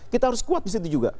kita harus kuat di situ juga